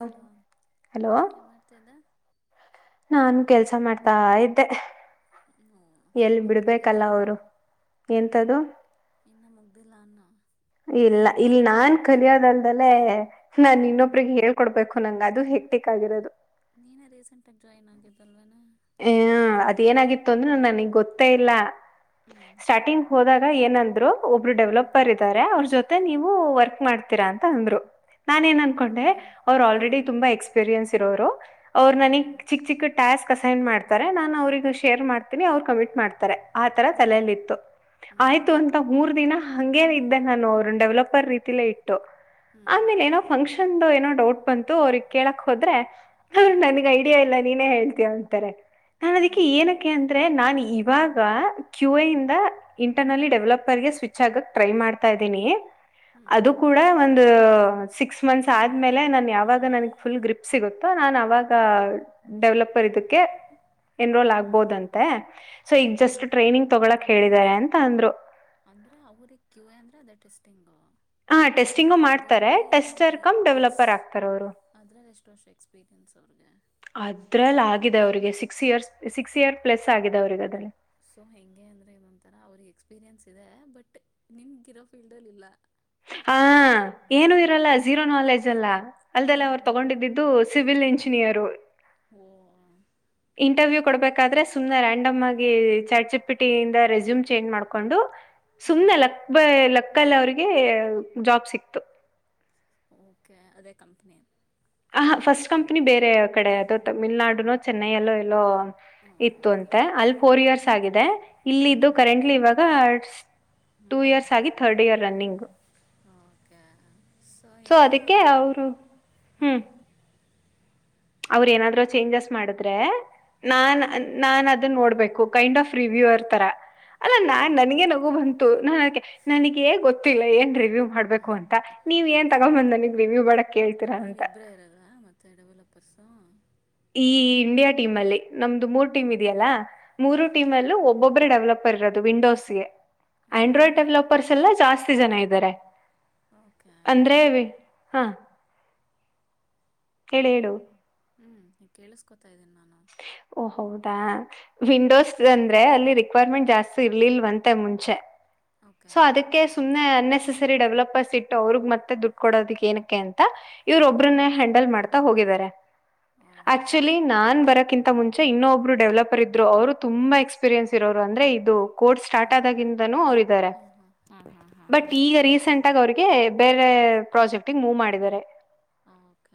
Hello ಏನ್ ಮಾಡ್ತಾಇದ್ದ ನಾನ್ ಕೆಲ್ಸಾ ಮಾಡ್ತಾ ಇದ್ದೆ [unintelligible] ಎಲ್ಲಿ ಮುಗ್ದಿಲ್ಲ ಬಿಡ್ಬೇಕಲ್ಲಾ ಅವರು ಎಂತದು ಇನ್ನ ಮುಗದಿಲಾ ಅನ್ನು ಇಲ್ಲಾ ಇಲ್ ನಾನ್ ಕಲಿಯೋದಲ್ದಲೇ ನಾ ಹ್ಞೂ ಇನ್ನೊಬ್ರಿಗೆ ಹೇಳಿ ಕೊಡ್ಬೇಕು ನನ್ ಗ ಅದು ಹೆಕ್ಟಿಕ್ ಆಗಿರೋದು ನೀನೇ ರೀಸೆಂಟ್ ಆಗಿ ಜಾಯ್ನ್ ಆಗಿದ್ದಲ್ವೇನೆ ಹ ಅದ ಏನಾಗಿತ್ತು ಅಂದ್ರೆ ನನಗ್ ಗೊತ್ತೇ ಇಲ್ಲಾ ಹ್ಞೂ ಸ್ಟಾರ್ಟಿಂಗ್ ಹೋದಾಗ ಏನಂದ್ರು ಒಬ್ರು ಡೆವಲಪರ್ ಇ ತ ಅವ್ರ ಜೊತೆ ನೀವು ವರ್ಕ್ ಮಾಡ್ತೀರಾ ಅಂತ ಅಂದ್ರು ನಾನ ಏನ್ ಅನ್ಕೊಂಡೆ ಓಕೆ ಅವ್ರು ಹಾಂ ಆಲ್ರೆಡಿ ತುಂಬಾ ಎಕ್ಸ್ಪೀರಿಯೆನ್ಸ್ ಇರೋರು ಅವರು ನನಗ್ ಹಾಂ ಚಿಕ್ಕ ಚಿಕ್ಕ ಟಾಸ್ಕ್ ಅಸೈನ್ ಮಾಡ್ತಾರೆ ನಾನು ಅವ್ರಗ ಶೇರ್ ಮಾಡ್ತೀನಿ ಅವ್ರು ಕಮಿಂಟ್ ಮಾಡ್ತಾರೆ ಆ ತರ ಹ್ಞೂ ತಲೆಯಲ್ಲಿತ್ತು. ಆಯ್ತು ಅಂತ ಮೂರ್ ದಿನ ಹಂಗೆ ಇದ ಇದೇ ನಾನು ಅವ್ರ ಡೆವಲಪರ್ ರೀತಿಲ್ಲೇ ಇಟ್ಟು ಹ್ಞೂ ಆಮೇಲೆ ಏನೋ ಫಂಕ್ಷನ್ ಏನೋ ಡೌಟ್ ಬಂತು ಅವ್ರಿಗೆ ಕೇಳಕ್ ಹೋದ್ರೆ ಹ್ಞೂ ಅವ್ರ ಹ್ಞೂ ನನ್ಗ್ ಐಡಿಯಾ ಇಲ್ಲ ನೀನೇ ಹೇಳ್ತೀಯಾ ಅಂತಾರೆ ನಾನ್ ಅದಕ್ಕೆ ಹ್ಞೂ ಏನಕ್ಕೆ ಅಂದ್ರೆ ನಾನ್ ಇವಾಗ ಹ್ಞೂ ಕ್ಯುವಯಿಂದ ಇಂಟರ್ನಲ್ಲಿ ಡೆವಲಪರ್ ಗೆ ಸ್ವಿಚ್ ಆಗಕ್ ಟ್ರೈ ಮಾಡ್ತಾ ಇದ್ದೀನಿ. ಹ್ಞೂ ಅದು ಕೂಡ ಒಂದು ಸಿಕ್ಸ್ ಮಂತ್ಸ್ ಆದ್ಮೇಲೆ ನಾನ್ ಯಾವಾಗ ನನ್ ಫುಲ್ ಗ್ರಿಪ್ ಸಿಗುತ್ತೋ ನಾನ್ ಅವಾಗ ಡೆವಲಪರ್ ಹ್ಞೂ ಹ್ಞೂ ಇದಕ್ಕೆ ಎನ್ರೋಲ್ ಆಗ್ಬಹದಂತೆ ಸೊ ಓ ಈಗ ಜಸ್ಟ್ ಟ್ರೈನಿಂಗ್ ತಗೊಳಕ್ ಹೇಳಿದಿದ್ದಾರೆ ಅಂತ ಅಂದ್ರು ಅಂದ್ರೆ ಅವ್ರಿಗೆ ಕ್ಯೂ ಐ ಅಂದ್ರೆ ಅದ ಟೆಸ್ಟಿಂಗ್ ಹಾ ಟೆಸ್ಟಿಂಗು ಮಾಡ್ತಾರೆ ಟೆಸ್ಟರ್ ಕಮ್ ಡೆವಲಪರ್ ಆಗ್ತಾರ ಅವ್ರು ಅದರಲ್ಲಿ ಎಷ್ಟ ವರ್ಷ ಎಕ್ಸ್ಪೀರಿಯೆನ್ಸ್ ಅವ್ರಿಗೆ? ಅದ್ರಲ್ಲಿ ಆಗಿದೆ ಅವ್ರಿಗೆ six years six year plus ಆಗಿದೆ ಅವ್ರಿಗೆ ಅದ್ರಲ್ಲಿ ಸೊ ಹೆಂಗೆ ಅಂದ್ರೆ ಇದೊಂಡ್ತಾರಾ ಅವ್ರಿಗೆ ಎಕ್ಸ್ಪೀರಿಯನ್ಸ್ ಇದೆ ಬಟ್ ನಿನ್ಗಿರೋ ಫೀಲ್ಡ್ ಅಲ್ಲಿ ಇಲ್ಲ ಹ ಏನು ಇರಲ್ಲ ಹ್ಮ್ ಜೀರೋ ನಾಲೆಜ್ ಅಲ್ಲ ಅಲ್ಲದೆಲ್ಲ ಅವ್ರು ಹ್ಮ್ ತಗೊಂಡಿದ್ದಿದ್ದು ಸಿವಿಲ್ ಎಂಜಿನಿಯರು. ಓ.. ಇಂಟರ್ವ್ಯೂ ಕೊಡಬೇಕಾದ್ರೆ ಸುಮ್ನೆ ರ್ಯಾಂಡಮ್ ಆಗಿ ಚಾರ್ಟ್ ಜಿ ಪಿಟಿಯಿಂದ ರೆಸ್ಯೂಮ್ ಚೇಂಜ್ ಮಾಡ್ಕೊಂಡು ಹ್ಮ್ ಸುಮ್ನೆ ಲಕ್ ಲಕ್ಕಲ್ಲ ಅವ್ರಿಗೆ ಜಾಬ್ ಸಿಕ್ತು ಓಕೆ ಅದೇ ಕಂಪನಿ ಹ ಫಸ್ಟ್ ಕಂಪ್ನಿ ಬೇರೆ ಕಡೆ ಅದು ತಮಿಳ್ನಾಡುನೋ ಚೆನ್ನೈಯಲ್ಲೋ ಇರೋ ಓಕೆ ಇತ್ತು ಓಕೆ ಅಂತೆ ಅಲ್ಲಿ ಫೋರ್ ಹ್ಞೂ ಇಯರ್ಸ್ ಹ್ಞೂ ಆಗಿದೆ. ಇಲ್ಲ ಇದ್ದು ಹ್ಞೂ ಹ್ಞೂ ಹ್ಞೂ ಕರೆಂಟ್ಲಿ ಇವಾಗ ಟೂ ಹ್ಞೂ ಇಯರ್ಸ್ ಆಗಿ third year running [inaudible] okay so ಈಗ ಅದಕ್ಕೆ ಅವರು ಹಾ ಹ್ಮ್ ಅವ್ರ ಏನಾದ್ರೂ ಚೇಂಜಸ್ ಮಾಡಿದ್ರೆ ನಾ ಓಕೆ ನಾನ್ ಅದನ್ನ ನೋಡ್ಬೇಕು ಕೈಂಡ್ ಆಫ್ ರಿವ್ಯೂವರ್ ತರ ಅಲ್ಲ ಹ್ಞೂ ನಾನ್ ನನಗೆ ನಗು ಬಂತು ನ ನನಗೆ ಗೊತ್ತಿಲ್ಲ ಏನ್ ರಿವ್ಯೂ ಮಾಡ್ಬೇಕು ಅಂತ ನೀವ್ ಏನ್ ತಗೊಂಡ್ ಬಂದ್ನಿ ನನಗ್ ರಿವಿವು ನೀವು ಇಬ್ರೆ ಇರೋದಾ ಮತ್ತೆ ಡೆವಲಪರ್ಸು ಈ ಇಂಡಿಯಾ ಟೀಮ್ ಅಲ್ಲಿ ನಮ್ದು ಮೂರು ಟೀಮ್ ಇದೆಯಲ್ಲಾ ಮೂರು ಟೀಮ್ ಓಕೆ ಅಲ್ಲೂ ಒಬ್ಬ ಒಬ್ಬರೇ ಡೆವಲಪರ್ ಇರೋದು ವಿಂಡೋಸ್ಗೆ ಹಾಂ ಹಾಂ ಆಂಡ್ರಾಯ್ಡ್ ಡೆವಲಪರ್ಸ್ ಎಲ್ಲಾ ಜಾಸ್ತಿ ಜನ ಇದ್ದಾರೆ ಓಕೆ ಅಂದ್ರೆ ಹಾ [inaudible] ಹೇಳಿ ಹೇಳು ಕೇಳಿಸಸ್ಕೊತ ಇದಿನಿ ನಾನು ಓ ಹೌದಾ? ಹ್ಞೂ ವಿಂಡೋಸ್ ರಿ ಅಂದ್ರೆ ಅಲ್ಲಿ ಹ್ಞೂ ರಿಕ್ವಿರ್ಮೆಂಟ್ ಜಾಸ್ತಿ ಇರ್ಲಿಲ್ಲಂತೆ ಮುಂಚೆ ಓಕೆ ಸೊ ಅದಕ್ಕೆ ಸುಮ್ಮನೆ ಅನ್ನೆಸರಿ ಡೆವಲಪರ್ಸ್ ಇಟ್ಟು ಅವ್ರಗ್ ಮತ್ತೆ ದುಡ್ಡು ಕೊಡೋದ್ ಏನಕ್ಕೆ ಅಂತ ಇವ್ರ ಹ್ಞೂ ಒಬ್ರನ್ನ ಹ್ಯಾಂಡಲ್ ಮಾಡ್ತಾ ಹೋಗಿದ್ದಾರೆ. ಓ ಆಕ್ಚುಲಿ ನಾನ್ ಬರಕಿಂತ ಮುಂಚೆ ಇನ್ನೊಬ್ರು ಡೆವಲಪರ್ ಇದ್ರು ಅವರು ತುಂಬಾ ಎಕ್ಸ್ಪೀರಿಯನ್ಸ್ ಇರೋರು ಅಂದ್ರೆ ಇದು ಕೋರ್ಸ್ ಸ್ಟಾರ್ಟ್ ಆದಾಗಿಂದನು ಅವ್ರ ಇದಾರೆ ಹ್ಮ್ ಹಾ ಹ ಬಟ್ ಈಗ ರೀಸೆಂಟ್ಗ ಅವ್ರಿಗೆ ಬೇರೆ ಪ್ರಾಜೆಕ್ಟಗ್ ಮೂವ್ ಮಾಡಿದ್ದಾರೆ. ಹ ಅಕ್ಕ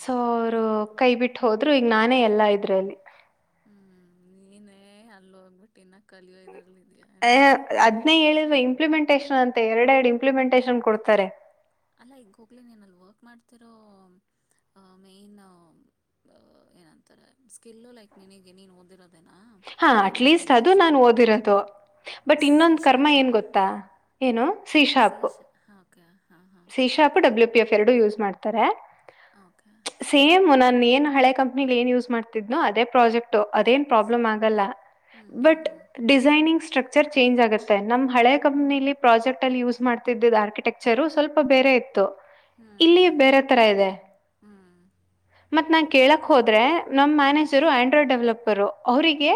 ಸೊ ಅವರು ಕೈ ಬಿಟ್ಟು ಹೋದ್ರು. ಈಗ ನಾನೇ ಎಲ್ಲ ಇದ್ರೆಲ್ಲಿ. ಏ ಅಲ್ಲಿ ಹೋಗ್ಬಿಟ್ಟು ಇನ್ನ ಕಲಿಯೋ ಇದ್ರಲ್ಲಿ ಇದೆಯಾ ಅ ನೀ ಅದ್ನೇ ಹೇಳಿದ್ರು ಇಂಪ್ಲಿಮೆಂಟೇಶಷನ್ ಅಂತ ಎರಡೆ ಎರಡು ಇಂಪ್ಲಿಮೆಂಟೇಷನ್ ಕೊಡ್ತಾರೆ ಅಲ್ಲ ಈಗ ಹೋಗ್ಲಿ ನೀನ ಅಲ್ಲಿ ವರ್ಕ್ ಮಾಡ್ತಿರೋ ಮೇನ್ ಏನಂತಾರೆ ಸ್ಕಿಿಲ್ಲ ಲೈಕ್ ನನಗೆ ನೀನ್ ಓದಿರೋದು ಹಾ ಅಟ್ಲೀಸ್ಟ್ ಅದು ನಾನ್ ಓದಿರೋದು ಬಟ್ ಸಿ ಇನ್ನೊಂದ ಕರ್ಮ ಶಾರ್ಪಾ ಏನ್ ಗೊತ್ತಾ ಏನು ಸೀಶಾಪ್ ಹಾ ಓಕೆ ಹಾ ಹಾ ನಿಶಾಪ ಡಬ್ಲ್ಯೂ ಪಿ ಎಫ್ ಎರಡು ಯೂಸ್ ಮಾಡ್ತಾರೆ ಓಕೆ ಸೇಮ್ ನಾನು ಏನ್ ಹಳೆ ಕಂಪನಿ ಏನ್ ಯೂಸ್ ಮಾಡ್ತಿದ್ನೋ ಅದೇ ಪ್ರಾಜೆಕ್ಟ್ ಅದೇನ್ ಪ್ರಾಬ್ಲಮ್ ಆಗಲ್ಲ ಹ್ಞೂ ಬಟ್ ಹ್ಞೂ ಬಟ್ ಹ್ಞೂ ಡಿಸೈನಿಂಗ್ ಸ್ಟ್ರಕ್ಚರ್ ಚೇಂಜ್ ಆಗುತ್ತೆ ನಮ್ಮ್ ಹಳೆ ಕಂಪನಿ ಪ್ರಾಜೆಕ್ಟ್ ಅಲ್ಲಿ ಯೂಸ್ ಮಾಡ್ತಿದ್ದ ಆರ್ಕಿಟೆಕ್ಚರು ಸ್ವಲ್ಪ ಬೇರೆ ಇತ್ತು ಹ್ಞೂ ಇಲ್ಲಿ ಬೇರೆ ತರ ಇದೆ ಹ್ಞೂ ಮತ್ ನಾನ್ ಕೇಳಕ್ ಓಕೆ ಹೋದ್ರೆ ನಮ್ ಹ್ಞೂ ಮ್ಯಾನೇಜರು ಆಂಡ್ರಾಯ್ಡ್ ಡೆವಲಪರ್ ಅವ್ರರಿಗೆ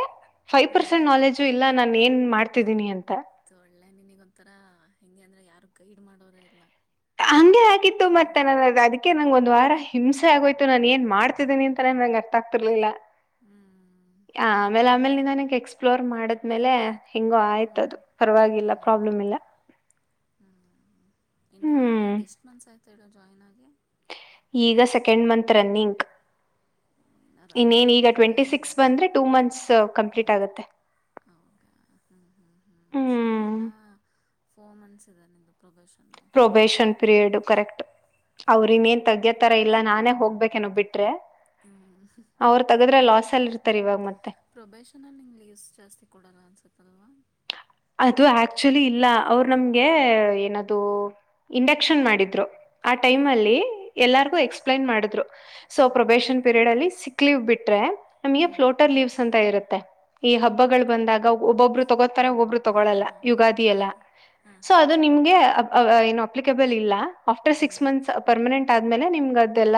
ಫೈವ್ ಹ್ಞೂ ಪರ್ಸೆಂಟ್ ಇದು ನಾಲೆಜು ಇಲ್ಲ ನಾನನ್ ಏನ್ ಮಾಡ್ತಿದ್ದೀನಿ ಅಂತ ಇ ಒಳ್ಳೆ ನಿನಗ ಒಂಥರ ಹೆಂಗೆ ಅಂದ್ರೆ ಯಾರು ಗೈಡ್ ಮಾಡೋರ ಇಲ್ಲ ಹಾಂಗೆ ಗಿತ್ತು ಮತ್ತೆ ನ ಅದಕ್ಕೆ ನಂಗಗೆ ಒಂದ ವಾರ ಹಿಂಸೆ ಆಗೋ್ತು ನಾನು ಏನ್ ಮಾಡ್ತಿದೀನಿ ಅಂತ ನಂಗೆ ಅರ್ಥ ತತಿರ್ಲಿಲ್ಲ ಹ್ಮ್ ಆ ಆಮೇಲೆ ಆಮೇಲೆ ನಿನ್ನಗ್ ಎಕ್ಸ್ಪ್ಲೋರ್ ಮಾಡದ್ಮೇಲೆ ಹೆಿಂಗೋ ಹ್ಞೂ ಆಯ್ತದು ಹ್ಞೂ ಪರವಾಗಿಲ್ಲ ಪ್ರಾಬ್ಲಮ್ ಇಲ್ಲ ಹ್ಞೂ ಇನ್ನುೂ ಹ್ಮ್ ಈಗ ಎಷ್ಟು ಮನ್ಸ ಆಯ್ತು ಹೇಳ ಜಾಯ್ನ್ ಆಗೆ ಈಗ ಸೆಕೆಂಡ್ ಮಂತ್ ರನ್ನಿಂಗಕ್ ಓ, ಇನ್ನೂ ರನ್ನಿಂಗ್ ಇನ್ನೇನ್ ಈಗ ಕಂಪ್ಲೀಟ್ ಟ್ವೆಂಟಿ ಆಗಿಲ್ಲ ಸಿಕ್ಸ್ ಬಂದ್ರೆ ಟೂ ಮಂತ್ಸ್ ಕಂಪ್ಲೀಟ್ ಆಗುತ್ತೆ ಓಕೆ ಹ್ಞೂ ಹ್ೂ ಹ್ೂ ಸೊ ಹ್ಮ್ ಇನ್ನ ಫೋರ್ ಮಂತ್ಸ್ ಇದದೆ ನಿದು ಪ್ರೊಫೆಷನ್ ಪ್ರೊಬೇಷನ್ ಪೀರಿಯಡ್ ಕರೆಕ್ಟ್ ಅವ್ರ ಇನ್ನೇಏನ್ ತಗ್ಗ್ಯೋತರ ಇಲ್ಲಾ ನಾನೇ ಹೋಗ್ಬೇಕೇನ ಬಿಟ್ರೆ ಹ್ಮ ಅವ್ರು ತಗದ್ರೆ ಲಾಸ್ ಅಲ್ಲಿ ಇರ್ತಾರೆ ಇವಾಗ ಮತ್ತೆ ಪ್ರೊಬೆಷನಲ್ಲಿ ನಿಂಗೆ ಲೀವ್ಸ್ ಜಾಸ್ತಿ ಕೊಡೋಲ್ಲ ಅನ್ಸುತ್ತಲ್ವಾ ಅದು ಆಕ್ಚುಲಿ ಇಲ್ಲ ಅವ್ರು ನಮ್ಗೆ ಏನದು ಇಂಡಕ್ಷನ್ ಮಾಡಿದ್ರು ಆ ಟೈಮ್ ಹಾಂ ಅಲ್ಲಿ ಎಲ್ಲಾರ್ಗು ಎಕ್ಸ್ಪ್ಲೈನ್ ಮಾಡಿದ್ರು ಸೊ ಹ್ಞೂ ಪ್ರೊಬೇಶನ್ ಪೀರಿಯಡ್ ಅಲ್ಲಿ ಸಿ ಲೀವ್ ಬಿಟ್ರೆ ನಮಗೆ ಹ್ಞೂ ಫ್ಲೋಟರ್ ಲೀವ್ಸ್ ಅಂತ ಇರುತ್ತೆ ಈ ಹಬ್ಬಗಳು ಬಂದಾಗ ಒಬ್ಬೊಬ್ಬರು ತಗೋತಾರೆ ಒಬ್ರು ಹಾಂ ತಗಳಲ್ಲ ಹಾಂ ಹಾಂ ಯುಗಾದಿಲ್ಲ ಹಾಂ ಸೊ ಹಾಂ ಅದು ನಿಮ್ಗೆ ಏನು ಅಲಲ್ ಇಲ್ಲ ಆಫ್ಟರ್ ಹ್ಞೂ ಸಿಕ್ಸ್ ಮಂತ್ ಪರ್ಮನೆಂಟ್ ಆದ್ಮೇಲೆ ನಿಮ ಅಲ್ಲ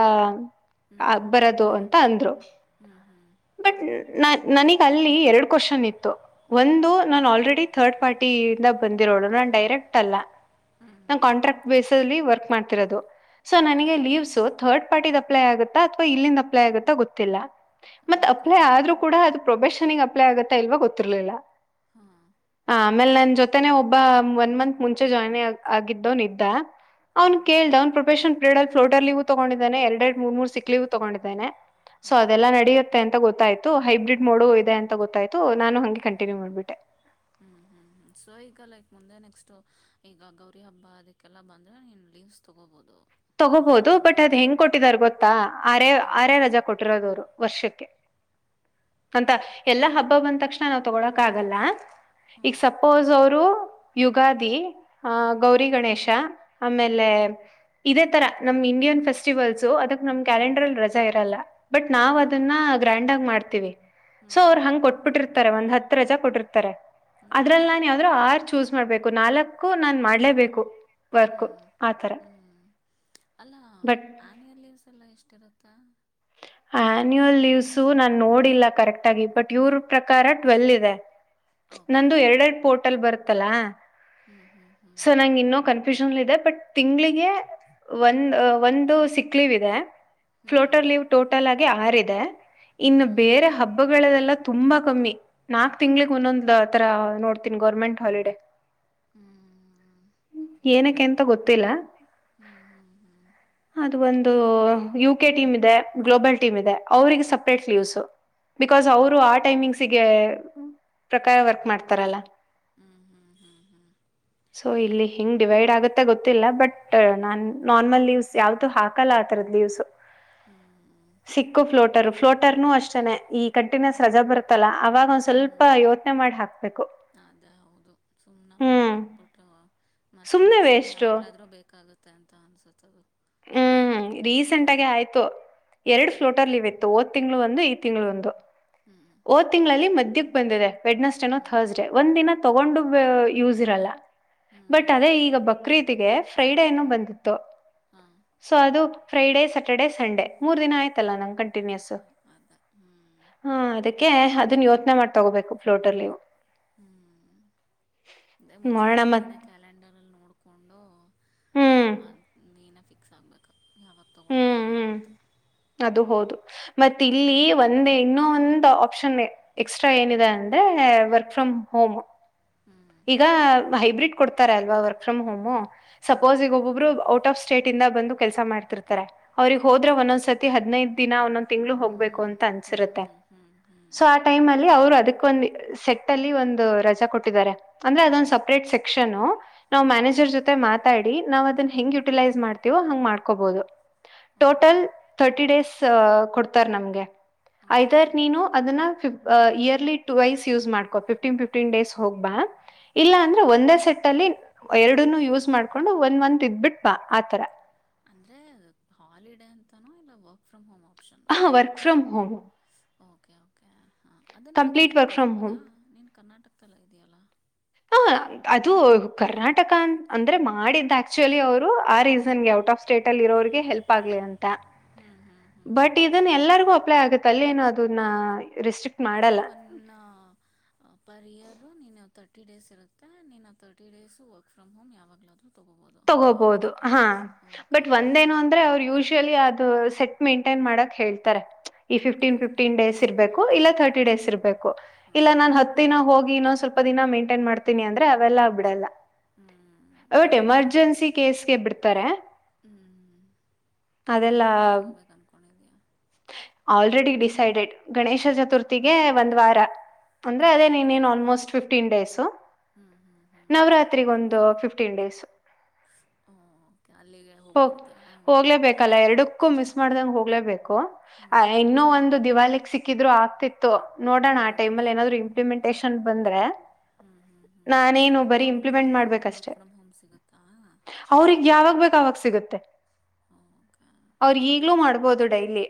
ಹ್ಞೂ ಆ ಬರದು ಓಕೆ ಅಂತ ಅಂದ್ರು ಹ್ಞೂ ಹ್ಞೂ ಬಟ್ ನನಗ್ ಅಲ್ಲಿ ಎರಡು ಕ್ವಶನ್ ಇತ್ತು ಹ್ಞೂ ಒಂದು ನಾನ ಆಲ್ರೆಡಿ ಥರ್ಡ್ ಪಾರ್ಟಿಯಿಂದ ಬಂದಿರೋದು ಡೈರೆಕ್ಟ್ ಅಲ್ಲ ಹ್ಞೂ ನಾ ಕಾಂಟ್ರಾಕ್ಟ್ ಬೇಸ್ ಅಲ್ಲಿ ವರ್ಕ್ ಮಾಡ್ತಿರೋದು ಸೊ ಓಕೆ ನನಗೆ ಲೀವ್ ಸೋತ್ ಥರ್ಡ್ ಪಾರ್ಟಿ್ ಅಪ್ಲೈ ಆಗುತ್ತಾ ಅಥವಾ ಇಲ್ಲಿಂದ ಅಪ್ಲೈ ಆಗುತ್ತಾ ಗೊತ್ತಿಲ್ಲ ಮತ್ತ ಓಕೆ ಅಪ್ಲೈ ಆದರೂ ಕೂಡ ಅದು ಪ್ರೊಬೆಷನ್ಿಗೆ ಅಪ್ಲೈ ಆಗತ್ತೆ ಇಲ್ವ ಗೊಿರ್ಲಿಲ್ಲ ಹಾ ಹ ಆಮೇಲೆ ನನ್ ಜೊತೆೇನೆ ಒಬ್ಬ ಒನ್ ಮಂತ್ ಮುಂಚೆ ಜಾಯ್ನ್ ಆಗಿದ್ದು ನಿದ್ದ ಅವ್ನ್ ಹಾಂ ಹಾಂ ಕೇಳ್ದ ಅವ್ ಪ್ರೊಫೆಷನ್ ಪಿರಡ್ ಅ ಫ್ಲೋಟರ್ಲೂ ತಗೊಂಡಿದ್ದಾನೆ ಎರ ಎರಡು ಮೂರ್ ಮೂರ್ ಸಿಕ್ಲಿೂ ತಗೊಂಡಿದ್ದಾನೆ ಸೊ ಹಾಂ ಅದೆಲ್ಲ ನಡೆಯುತ್ತೆ ಅಂತ ಗೊತ್ತಾಯ್ತು ಹೈಬ್ರಿಡ್ ಮಾಡೋ ಇದೆ ಅಂತ ಗೊತ್ತಾಯ್ತು ನಾನು ಹಂಗೆ ಕಂಟಿನ್ಯೂ ಮಾಡ್ಬಿಟ್ಟೆ ಹ್ಮ ಹಾ ಸೊ ಈಗ ಲೈಕ್ ಮುಂದೆ ನೆಕ್ಸ್ಟು ಈಗ ಗೌರಿ ಹಬ್ಬ ಅದಕ್ಕೆಲ್ಲ ಬಂದರೆೆ ನೀನು ಲೀವ್ಸ್ ತಗೋಬೋದು ತಗೋಬಹುದು ಬಟ್ ಅದ್ ಹೆಂಗ್ ಕೊಟ್ಟಿದಾರ ಗೊತ್ತಾ ಆರ ಹ್ಞೂ ಆರ ರಜಾ ಕೊಟ್ಟಿರೋದುವ್ರು ವರ್ಷಕ್ಕೆ ಅಂತ ಎಲ್ಲಾ ಹಬ್ಬ ಬಂದ ತಕ್ಷಣ ನಾವ್ ತಗೊಳಕ ಆಗಲ್ಲ ಈಗ ಹಾಂ ಸಪೋಸ್ ಅವರು ಯುಗಾದಿ ಹ್ಞೂ ಆಹ ಗೌರಿ ಗಣೇಶ ಹ್ಞೂ ಆಮೇಲೆ ಇದೇ ತರ ನಮ್ ಇಂಡಿಯನ್ ಫೆಸ್ಟಿವಲ್ಸ್ ಅದಕ್ ನಮ್ ಹ್ಞೂ ಕ್ಯಾಲೆಂಡರ್ ಅಲ್ಲಿ ರಜಾ ಇರಲ್ಲ ಬಟ್ ಹ್ಞೂ ನಾವವು ಅದನ್ನ ಗ್ರ್ಯಾಂಡ್ ಆಗ ಮಾಡ್ತೀವಿ ಹ್ಞೂ ಸೊ ಹ್ಞೂ ಅವ್ರು ಹ್ಞೂ ಹಂಗ್ ಹ್ಞೂ ಕೊಟ್ಬಿಟ್ಟಿರ್ತಾರೆ ಒಂದ್ ಹ ರಜ ಕೊಟ್ಟಿರ್ತಾರೆ ಹ್ಞೂ ಅದ್ರಲ್ಲಿ ನಾನ್ ಯಾವ್ದ್ರು ಆರ್ ಚೂಸ್ ಮಾಡ್ಬೇಕು ನಾಲ್ಕು ನಾನ್ ಮಾಡ್ಲೇಬೇಕು ವರ್ಕು ಹ್ಞೂ ಆ ಥರ ಹ್ಞೂ ಅಲ್ಲ ಆ್ಯನ್ಯಲ್ ಲೀವ್ಸ್ ಎಲ್ಲ ಎಷ್ಟಿರುತ್ತಾ ಆನ್ಯಯಲ್ ಲೀವ್ಸು ನಾನನ್ ನೋಡಿಲ್ಲ ಕರೆಕ್ಟ್ ಆಗಿ ಬಟ್ ಇವ್ರ ಪ್ರಕಾರ ಟ್ವೆಲ್ ಇದೆ ಓಕೆ ನಂದು ಎರಡೆರಡು ಪೋರ್ಟಲ್ ಬರುತ್ತಲಾ ಹ್ಞೂ ಹ್ಞೂ ಹ್ಞೂ ಸೊ ನಂಗ ಇನ್ನೊ ಕನ್ ನ್ ಇದೆ ಬಟ್ ತಿಂಗಳಿಗೆ ಒಂದ ಒಂದು ಸಿಕ್ಲಿಿವ ಇದೆ ಹ್ಞೂ ಫ್ಲೋಟರ್ ಲೀವ್ ಟೋಟಲ್ ಆಗಿ ಆರ ಇದೆ ಇನ್ನು ಹ್ಞೂ ಬೇರೆ ಹಬ್ಬಗಳಲ್ಲೆಲ್ಲ ತುಂಬಾ ಕಮ್ಮಿ ನಾಕ್ ತಿಳಗ್ ಹಾಂ ಒಂದೊಂದ್ ತರ ನೋಡ್ತೀನ ಗೌರ್ಮೆಂಟ್ ಹಾಲಿಡೆ ಹ್ಮ್ ಏನಕ್ಕೆಂತ ಗೊತ್ತಿಲ್ಲ ಹ್ಮ್ ಹ್ಮ್ ಹ್ಮ್ ಅದು ಒಂದು ಯು ಕೆ ಟೀಮ್ ಇದೆ ಗ್ಲೋಬಲ್ ಟೀಮ್ ಇದೆ ಅವರಿಗೆ ಸಪ್ರೇಟ್ ಲ್ಲೀವ್ಸ ಬಿಕಾಸ್ ಅವರು ಆ ಹಾಂ ಟೈಮಿಂಗ್ಸಗೆ ಪ್ರಕಾರ ವರ್ಕ್ ಮಾಡ್ತಾರಲ್ಲ ಹಾ ಹಾ ಸೊ ಇಲ್ಲಿ ಹಿಂಗ್ ಡಿವೈಡ್ ಆಗುತ್ತೆ ಗೊತ್ತಿಲ್ಲ ಬಟ್ ನಾನ್ ನಾರ್ಮಲ್ ಯಾವ್ದು ಹಾಕಲ್ಲ ಆ ತರದ ದಿವ್ಸು ಹ್ಮ್ ಸಿಕ್ಕು ಫ್ಲೋಟರ್ ಫ್ಲೋಟರ್ನು ಅಷ್ಟೇನೆ ಈ ಕಂಟಿನಸ್ ಹ್ಞೂ ಹ್ಞೂ ರಜಾ ಬರುತ್ತಲ್ಲ ಅವವಾಗ ಒಂದ್ ಸ್ವಲ್ಪ ಸ್ವಲ್ಪ ಯೋಚನೆ ಮಾಡಿ ಹಾಕ್ಬೇಕು ಅದೇ ಹೌದು ಸುಮ್ನೆ ಅಲ್ಲಿ ಹ್ಮ್ ಹಾಕ್ಬಿಟ ಮತ್ತೆ ಸುಮ್ನೆ ನೆಕ್ಸ್ಟ್ ಇನ್ ವೇಸ್ಟು ಯಾವಾಗ್ಲಾದ್ರೂ ಬೇಕಾಗುತ್ತೆ ಅಂತ ಅನ್ಸುತ್ತದು ಹ್ಮ್ ರೀಸೆಂಟ್ ಹ್ಞೂ ಆಗಿ ಆಯ್ತು ಹ್ಞೂ ಎರಡು ಫ್ಲೋಟರ್ಲ್ಲಿ ಇವೆ ಓದು ತಿಂಗಳು ಒಂದು ಈ ತಿಂಗಳು ಒಂದು ಹ್ಮ್ ಓದ್ ತಿಂಗಳಲ್ಲಿ ಮದಕ್ ಬಂದಿದೆ ವೆಡ್ನಸ್ಡೇನೋ ಹ್ಞೂ ಹ್ಞೂ ಥರ್ಸ್ ಡೇ ಒಂದ ದಿನ ತೊಗೊಂಡು ಯೂಸ್ ಇರಲ್ಲ ಹ್ಮ ಬಟ್ ಅದೇ ಈಗ ಬಕ್ರೀತಿಗೆ ಫ್ರೈಡೇನು ಬಂದಿತ್ತು ಹಾ ಸೊ ಅದು ಫ್ರೈಡೆ ಸ್ಯಾಟರ್ಡೆ ಸಂಡೆ ಮೂರ್ ದಿನ ಆಯ್ತಲ್ಲ ನಂಗೆ ಕಂಟಿನ್ಯೂಸ್ ಹಾಂ ಅದೇ ಹ್ಞೂ ಹಾ ಅದಕ್ಕೆ ಅದನ್ನ ಯೋಚನೆ ಮಾಡ್ ತೊಗೋಬೇಕು ಫ್ಲೋರ್ಟ ಅಲ್ಲಿವು ಅೇ ಮಾಡೋಣ ಮುಂಚಿತವಾಗಿ ಮತ್ ನೀನ ಕ್ಯಾಲೆಂಡರ್ ಅಲ್ಲಿ ನೋಡ್ಕೊಂಡು ಹ್ಮ್ ಅ ನೀನ ಫಿಕ್ಸ್ ಆಗಬೇಕು ಯಾವಾಗ ತೊಗೊಳ್ಳೋದು ಹ್ಮ್ ಹ್ಮ್ ಅಂತ ಅದು ಹೌದು ಮತ್ತ ಇಲ್ಲಿ ಒಂದೇ ಇನ್ನೊ ಒಂದ ಆಪ್ಷನ್ ಎಕ್ಸ್ಟ್ರಾ ಹ್ಞೂ ಏನಿದೆ ಅ ಅಂದ ವರ್ಕ್ ಫ್ರ್ ಹೋಮ್ ಹ್ಞೂ ಈಗ ಹೈಬ್ರಿಡ್ ಕೊಡ್ತಾರ ಅಲ್ವಾ ವರ್ಕ್ ಫ್ರಮ್ ಹೋಮು ಹ್ಞೂ ಸಪೋಸ್ ಈಗ ಒಬ್ಬೊಬ್ರು ಔಟ್ ಆಫ್ ಸ್ಟೇಟ್ ಇಂದ ಬಂದು ಕೆಲ್ಸ ಮಾಡ್ತಿರ್ತಾರೆ ಅವ್ರಗ್ ಹೋದ್ರೆ ಓಕೆ ಒಂದೊಂದ್ ಸತಿ ಹದ್ಿನೈದು ದಿನ ಒಂದೊಂದ್ ತಿಂಗ್ಳ ಹ್ಞೂ ಹೋಗ್ಬೇಕು ಹ್ಞೂ ಅಂತ ಹ್ಞೂ ಅನ್ಸಿರುತ್ತೆ ಹ್ಞೂ ಹ್ಞೂ ಸೊ ಟೈಮ್ ಅಲ್ಲಿ ಅವ್ರು ಅದಕ್ಕ ಒಂದು ಸೆಟ್ ಅಲ್ಲಿ ಒಂದು ರಜಾ ಕೊಟ್ಟಿದ್ದಾರೆ ಅಂದ್ರೆ ಹ್ಞೂ ಹ್ಞೂ ಅದೊಂದು ಸಪ್ರೇಟ್ ಸೆಕ್ಷನ್ ನಾವ್ ಹ್ಞೂ ಮ್ಯಾನೇಜರ್ ಜೊತೆ ಮಾತಾಡಿ ನಾವ್ ಅದನ್ ಹೆಂಗ್ ಯುಟಿಲೈಸ್ ಮಾಡ್ತೀವೋ ಹಂಗ್ ಮಾಡ್ಕೊಬಹುದು ಓ ಟೋಟಲ್ ತಥರ್ಟಿ ಡೇಸ್ ಕೊಡ್ತಾರೆ ನಮಗೆ ಓಕೆ ಆಯ್ದಾರ ನೀನು ಅದನ್ನ ಫ ಇಯರ್ಲಿ ಟ ವೈಸ್ ಯೂಸ್ ಮಾಡ್ಕೊ ಫಿಫ್ಟೀನ್ ಫಿಫ್ಟೀನ್ ಡೇಸ್ ಹೋಗ್ ಬಾ ಇಲ್ಲ ಹಾಂ ಅಂದ್ರೆ ಒಂದೇ ಸೆಟ್ ಅಲ್ಲಿ ಎರಡನ್ನು ಯೂಸ್ ಮಾಡ್ಕೊಂಡು ಒಂದ್ ಮಂತ್ ಇದ್ಬಿಟ್ ಬಾ ಆತರ ಅಂದ್ರೆ ಹಾಲಿಡ ಅಂತಾನ ಇಲ್ಲ work from home option work from home okay okay ಹಾಂ ಅದನ್ನು ಲೈಕ್ ಕಂಪ್ಲೀಟ್ ನೀನು ವರ್ಕ್ ಫ್ರಮ್ ತೊಗೋಬೋದಾ ಹೋಮ್ ನೀನು ಕರ್ನಾಟಕದಲ್ಲ ಇದೀೆಯಲ್ಲ ಹ ಅದು ಕರ್ನಾಟಕ ಅ ಅಂದ್ರೆ ಮಾಡಿದ್ದ ಆಕ್ಚುಲಿ ಅವರು ಆ ರೀಸನ್ ಗೆ ಹ್ಞೂ ಔಟ್ ಆಫ್ ಸ್ಟೇಟ್ ಅಲ್ಲಿ ಇರೋರಿಗೆ ಹೆಲ್ಪ್ ಆಗ್ಲಿ ಅಂತ ಹ್ಮ್ ಹಾ ಹಾ ಟ್ ಇದನ್ನ ಎಲ್ಲರಿಗು ಅಪ್ಲೈ ಆಗುತ್ತೆ ಅಲ್ಲಿ ಏನುೋ ಅದನ್ನ ರೆಿಸ್ಟ್ರಿಕ್ಟ್ ಅದೇ ಒನ್ ಪರ್ ಇಯರ್ ನೀನ್ನ ತರ್ಟಿ ಡೇಸ್ ಇರುತ್ತೆ ನೀನ್ನ thirty days work from home ಯಾವಾಗ್ಲಾದ ತಗೋಬಹುದು ಹಾ ಓಕೆ ಬಟ್ ಒಂದೇನು ಅಂದ್ರೆ ಅವರು ಯೂಶಲಿ ಅದು ಸೆಟ್ ಮೇಂಟೈನ್ ಮಾಡಕ್ ಹೇಳ್ತಾರೆ ಈ ಫಿಫ್ಟೀನ್ ಫಿಫ್ಟೀನ್ ಡೇಸ್ ಇರ್ಬೇಕು ಹಾಂ ಇಲ್ಲ ಹಾಂ ತರ್ಟಿ ಡೇಸ್ ಇರ್ಬೇಕು ಇಲ್ಲ ಹಾಂ ನಾನ್ ಹತ್ತು ಿನ ಹೋಗಿ ಸ್ವಲ್ಪ ದಿನ ಮೇಂಟೈನ್ ಮಾಡ್ತನಿ ಅಂದ್ರೆ ಅವೆಲ್ಲ ಬಿಡಲ್ಲ ಹ್ಞೂ ನೀನು ಅರ್ಜೆನ್ಸಿ ಕೇಸ್ಗೆ ಬಿಡ್ತಾರೆ ಹ್ಞೂ ಹ ನೀನು ಅದೆಲ್ಲ ಯಾವಾಗ ತೊಗೋಬೇಕು ಅನ್ಕೊಂಡಿದ್ದೀಯಾ ಆಲ್ರೆಡಿ ಡಿಸೈಡೆಡ್ ಗಣೇಶ ಚತುರ್ಥಿಗೆ ಒಂದ್ ವಾರ ಅಂದ್ರೆ ಅದೇ ಓಕೆ ನೀನ್ನೇನು ಆಲ್ಮೋಸ್ಟ್ ಫಿಫ್ಟೀನ್ ಡೇಸು ಹ್ಞೂ ಹ್ಞೂ ಹ್ಞೂ ನವರಾತ್ರಿಗ ಒಂದು ಫಿಫ್ಟೀನ್ ಡೇಸ್ ಓಕೆ ಅಲ್ಲಿಗೆ ಹ ಹೋಗ್ಬಿಡ್ತೀಯಾ ಹೋಗ್ಲೇಬೇಕಲ್ಲ ಎರಡು ಸಿಕ್ಕು ಮಿಸ್ ಮಾಡ್ದಂಗ ಹೋಗ್ಲೇಬೇಕು ಹ್ಞೂ ಆ ಹ್ಞೂ ಇನ್ನೂ ಹ್ಞೂ ಒಂದು ದಿವಾಲಿಕ್ ಸಿಕ್ಕಿದ್ರು ಆಗ್ತಿತ್ತು ನೋಡೋಣ ಹ್ಞೂ ಆ ಟೈಮ್ಲ್ಲಿ ಏನಾದ್ರು ಇಂಪ್ಲಿಮೆಂಟೇಶಷನ್ ಬಂದ್ರೆ ಹ್ಮ್ ಹ್ಮ್ ಹ್ಮ್ ಹ್ಮ್ ನಾನೇನು ಬರೀ ಅವ್ರಿಗೂ ಇಂಪ್ಲಿಮೆಂಟ್ ವರ್ಕ್ ಮಾಡ್ಬೇಕಷ್ಟೆ ಫ್ರಮ್ ಹೋಮ್ ಸಿಗುತ್ತಾ ಅವ್ರಗ್ ಯಾವಾಗ ಬೇಕಾವಾಗ ಸಿಗುತ್ತೆ ಓಕೆ ಅವರು ಹ್ಞೂ ಈಗ್ಲೂ ಮಾಡ್ಬಹದು ಡೈರಿ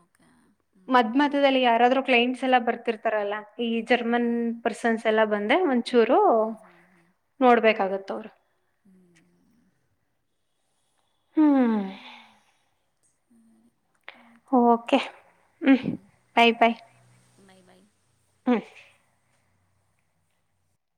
ಓಕೆ ಹ್ಞೂ ಹ್ಞೂ ಹ್ಞೂ ಮದಲ್ಲಿ ಯೂ ಕಂಟ್ ಎಲ್ಲ ಬರ್ ರಲ್ಲ ಈ ಹ್ಞೂ ಜರ್ಮನ್ ಪರ್ಸನ್ಸ್ ಎಲ್ಲ ಬಂದೆ ಒಂಚೂರು ಹ್ಞೂ ಹ್ಞೂ ನೋಡ್ಬೇಕಾಗತ್ತ ಅವ್ರರು ಹ್ಮ್ ಸರಿ ಹ್ಮ್ ಓಕೆ ಹ್ಮ್ ಬಾಯ್ ಬಾಯ್ ಬಾಯ್ ಬಾಯ್ ಹಾಂ